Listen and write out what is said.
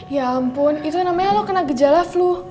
ya ampun itu namanya lo kena gejala flu